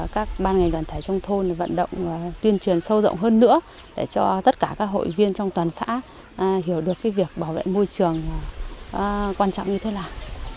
các ban ngành đoàn thể trong thôn vận động tuyên truyền sâu rộng hơn nữa để cho tất cả các hội viên trong toàn xã hiểu được việc bảo vệ môi trường quan trọng như thế nào